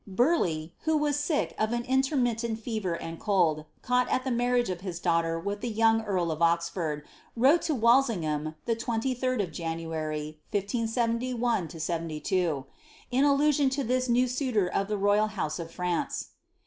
Burleigh, who was sick of an intermittent fever and cold, caught at the marriage of his daughter with the young earl of Oxford, wrote to Walsingham, the 23d of January, 1571 3, in allusion to this new suitor o( the royal house of France.